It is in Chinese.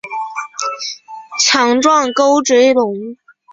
强壮沟椎龙。